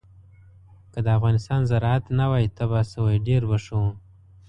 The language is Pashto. که د افغانستان زراعت نه وی تباه شوی ډېر به ښه وو.